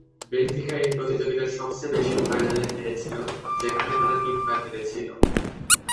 Benfica এই প্রতিযোগিতার সবচেয়ে বেশি ফাইনালে হেরেছিল, যেখানে তারা তিনবার হেরেছিল।